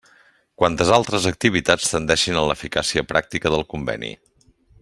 Quantes altres activitats tendeixin a l'eficàcia pràctica del Conveni.